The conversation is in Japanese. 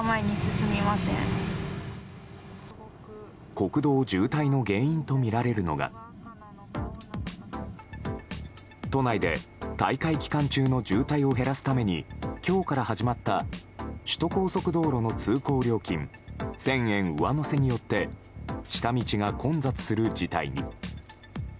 国道渋滞の原因とみられるのが都内で大会期間中の渋滞を減らすために今日から始まった首都高速道路の通行料金１０００円上乗せによって下道が混雑する事態に。